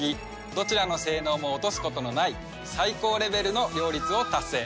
どちらの性能も落とすことのない最高レベルの両立を達成。